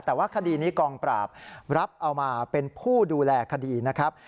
แต่ว่าคดีนี้กองปราบรับเอามาเป็นผู้ดูแลคดีนะครับ